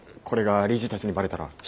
これが理事たちにバレたら。